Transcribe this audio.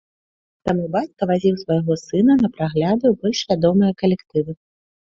Таму бацька вазіў свайго сына на прагляды ў больш вядомыя калектывы.